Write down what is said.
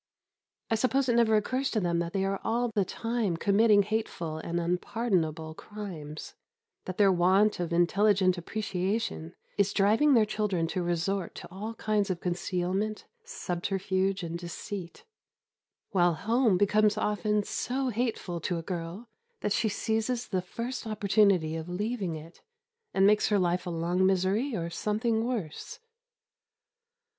I suppose it never occurs to them that they are all the time committing hateful and unpardonable crimes; that their want of intelligent appreciation is driving their children to resort to all kinds of concealment, subterfuge, and deceit; while home becomes often so hateful to a girl that she seizes the first opportunity of leaving it, and makes her life a long misery or something worse.